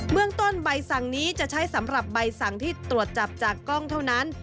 เมืองต้นใบสั่งนี้จะใช้สำหรับใบสั่งที่ตรวจจับจากกล้องเท่านั้น